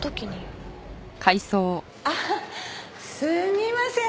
あっすみません。